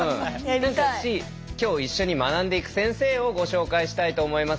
きょう一緒に学んでいく先生をご紹介したいと思います。